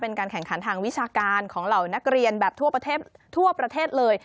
การแข่งขันทางวิชาการของเหล่านักเรียนแบบทั่วประเทศเลย